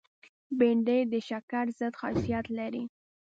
بېنډۍ د شکر ضد خاصیت لري